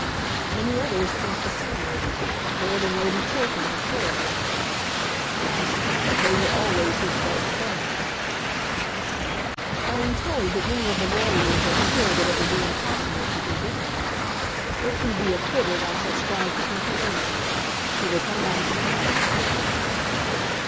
"Many others think the same. Lord and Lady Chiltern are sure of that." "They were always his best friends." "I am told that many of the lawyers are sure that it will be impossible to convict him. If he be acquitted I shall strive to think him innocent. He will come back to the House, of course."